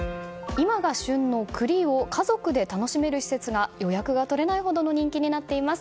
今が旬の栗を家族で楽しめる施設が予約が取れないほどの人気になっています。